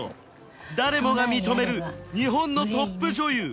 誰もが認める日本のトップ女優